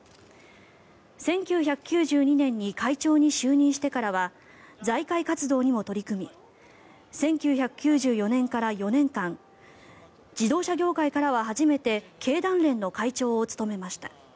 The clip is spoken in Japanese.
１９９２年に会長に就任してからは財界活動にも取り組み１９９４年から４年間自動車業界からは初めて経団連の会長を務めました。